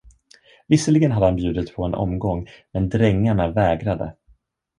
Visserligen hade han bjudit på en omgång, men drängarna vägrade.